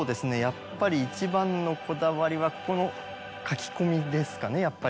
やっぱり一番のこだわりはここの描き込みですかねやっぱり。